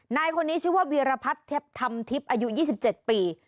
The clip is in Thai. นายคนนี้ชื่อว่าวีรพัฒน์เทพธรรมทิพย์อายุ๒๗ปี